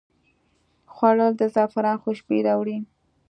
خوړل د زعفران خوشبويي راوړي